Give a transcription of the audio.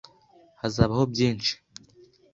Hazabaho byinshi.